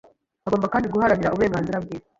Agomba kandi guharanira uburenganzira bwe